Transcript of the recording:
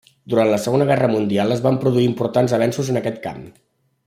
Durant la Segona Guerra Mundial es van produir importants avenços en aquest camp.